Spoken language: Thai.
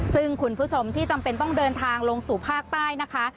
ซึ่งคุณผู้ชมที่จำเป็นต้องเดินทางลงสู่ภาคใต้นะคะ